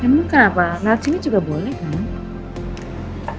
emang kenapa lewat sini juga boleh kan